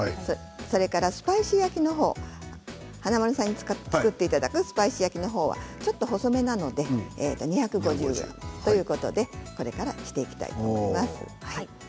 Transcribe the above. それからスパイシー焼きの方華丸さんに作っていただくスパイシー焼きはちょっと細めなので２５０ｇということでこれからしていきたいと思います。